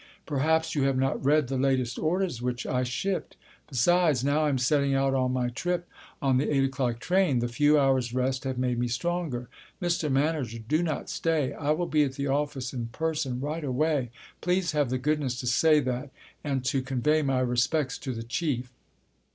Perhaps you have not read the latest orders which I shipped. Besides, now I'm setting out on my trip on the eight o'clock train; the few hours' rest have made me stronger. Mr. Manager, do not stay. I will be at the office in person right away. Please have the goodness to say that and to convey my respects to the Chief."